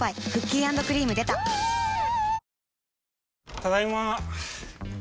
ただいま。